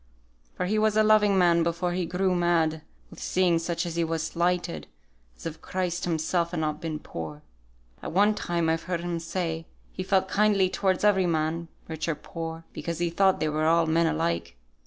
For he was a loving man before he grew mad with seeing such as he was slighted, as if Christ Himself had not been poor. At one time, I've heard him say, he felt kindly towards every man, rich or poor, because he thought they were all men alike.